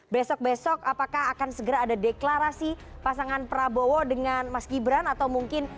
besok besok apakah akan segera ada deklarasi pasangan prabowo dengan mas gibran atau mungkin